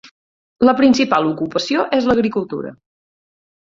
La principal ocupació és l'agricultura.